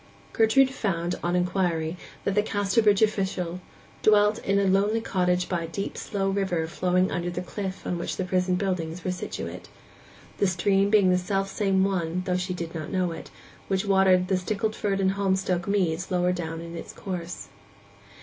Gertrude found, on inquiry, that the Casterbridge official dwelt in a lonely cottage by a deep slow river flowing under the cliff on which the prison buildings were situate—the stream being the self same one, though she did not know it, which watered the Stickleford and Holmstoke meads lower down in its course.